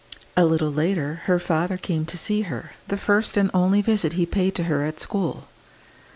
A little later her father came to see her, the first and only visit he paid to her at school.